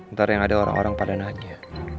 ntar yang ada orang orang pada nanya